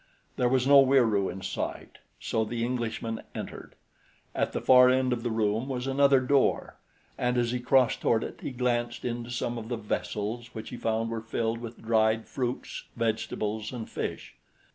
There was no Wieroo in sight, so the Englishman entered. At the far end of the room was another door, and as he crossed toward it, he glanced into some of the vessels, which he found were filled with dried fruits, vegetables and fish.